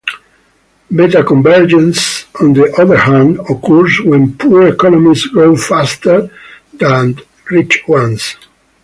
"Beta-convergence" on the other hand, occurs when poor economies grow faster than rich ones.